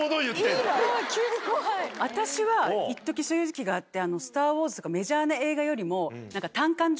私はいっときそういう時期があって。